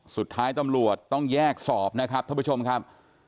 สุดท้ายตำรวจต้องแยกสอบนะครับท่านผู้ชมครับ